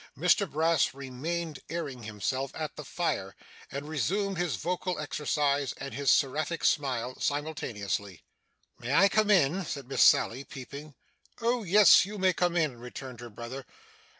Mr Brass remained airing himself at the fire, and resumed his vocal exercise, and his seraphic smile, simultaneously. 'May I come in?' said Miss Sally, peeping. 'Oh yes, you may come in,' returned her brother.